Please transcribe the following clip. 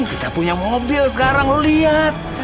kita punya mobil sekarang lo liat